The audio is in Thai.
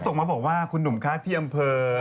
สนุนโดยดีที่สุดคือการให้ไม่สิ้นสุด